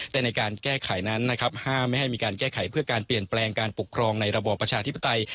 แต่ในการแก้ไขนั้นนะครับห้ามไม่ให้มีการแก้ไขเพื่อการเปลี่ยนแปลงการปกครองในระบอบประชาธิปไตย